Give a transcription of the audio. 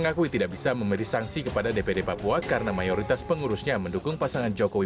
dpd papua tidak bisa menerima sanksi kepada dpd papua karena mayoritas pengurusnya mendukung pasangan jokowi maruf amin